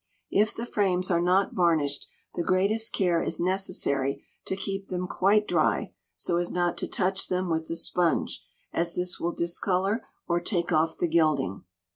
If the frames are not varnished, the greatest care is necessary to keep them quite dry, so as not to touch them with the sponge, as this will discolour or take off the gilding.